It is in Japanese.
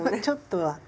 ちょっとは。